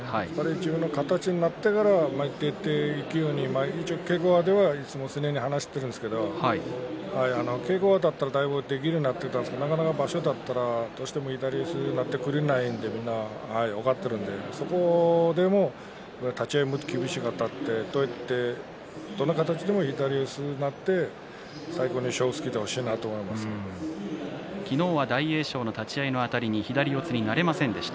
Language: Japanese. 自分の形になってから出ていくように稽古場ではいつもそのように話しているんですけど稽古場だったらだいぶできるようになってきたんですけどなかなか場所だったら左四つになってくれないので立ち合いもっと厳しくあたってといってどの形でも左四つになって最後に勝負をつけてほしいな昨日は大栄翔の立ち合いのあたりに左四つになれませんでした。